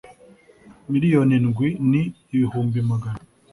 MILIYONI INDWI N IBIHUMBI MAGANA